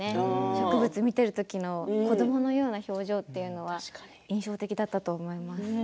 植物を見ている時の子どものような表情というのは印象的だったと思います。